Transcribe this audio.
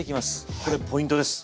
これポイントです。